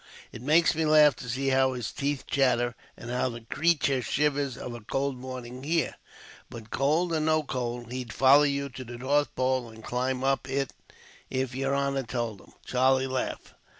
It makes me laugh to see how his teeth chatter, and how the creetur shivers of a cold morning, here. But, cold or no cold, he'd follow you to the north pole, and climb up it if yer honor told him." Charlie laughed.